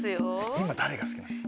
今誰が好きなんですか？